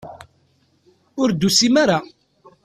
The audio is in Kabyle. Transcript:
Ur d-tusim ara.